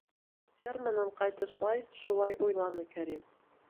Ферманан ҡайтышлай шулай уйланы Кәрим.